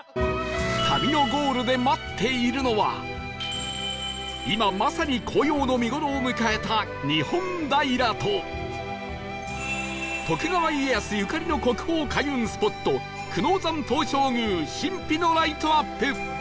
旅のゴールで待っているのは今まさに紅葉の見頃を迎えた日本平と徳川家康ゆかりの国宝開運スポット久能山東照宮神秘のライトアップ